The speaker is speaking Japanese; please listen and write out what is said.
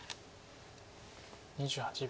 ２８秒。